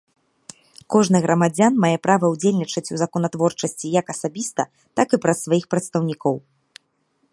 Кожны грамадзян мае права ўдзельнічаць у законатворчасці як асабіста, так і праз сваіх прадстаўнікоў.